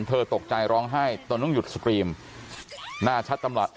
เธอตกใจร้องไห้ต้องต้องหยุดสตรีมน่าชัดตำลัด